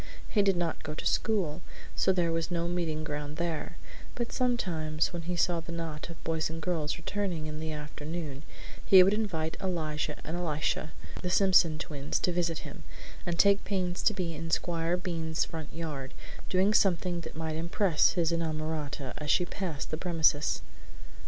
He did not go to school, so there was no meeting ground there, but sometimes, when he saw the knot of boys and girls returning in the afternoon, he would invite Elijah and Elisha, the Simpson twins, to visit him, and take pains to be in Squire Bean's front yard, doing something that might impress his inamorata as she passed the premises.